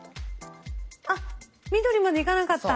あっ緑まで行かなかった。